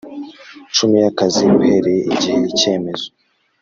cumi y akazi uhereye igihe icyemezo